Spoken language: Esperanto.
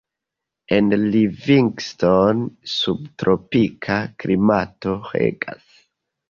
En Livingstone subtropika klimato regas.